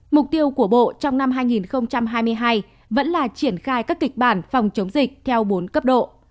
mục tiêu của bộ trong năm hai nghìn hai mươi hai vẫn là triển khai các kịch bản phòng chống dịch theo bốn cấp độ